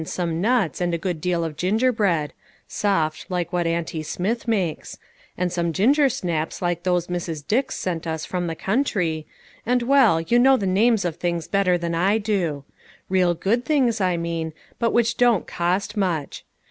some nuts, and a good deal of gingerbread soft, like what auntie Smith makes and some ginger snaps like those Mrs. Dix sent us from the country, and, well, you know the names of things better than I do. Real good things, I mean, but which don't cost much.